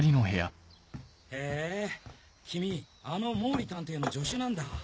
へぇ君あの毛利探偵の助手なんだ。